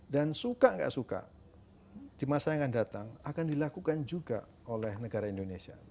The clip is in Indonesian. dan suka nggak suka di masa yang akan datang akan dilakukan juga oleh negara indonesia